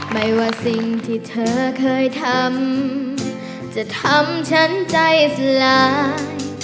ไม่ว่าสิ่งที่เธอเคยทำจะทำฉันใจสลาย